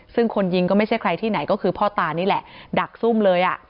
ซึ่งคนยิงก็ไม่ใช่ใครที่ไหนก็คือพ่อตานี่แหละดักซุ่มเลยอ่ะ